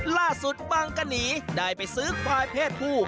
ล่าสุดบางกันนีได้ไปซื้อไขว้เพชภู่